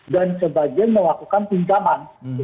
dan sebagian melakukan pinjaman